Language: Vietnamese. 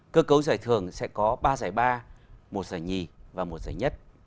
cơ cấu giải thưởng sẽ có ba giải ba một giải nhì và một giải nhất